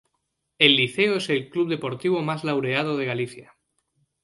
El Liceo es el club deportivo más laureado de Galicia.